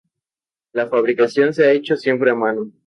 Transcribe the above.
La fabricación se ha hecho siempre a mano.